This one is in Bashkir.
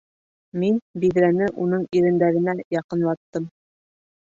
Мин биҙрәне уның ирендәренә яҡынлаттым.